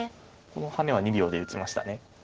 このハネは２秒で打ちました。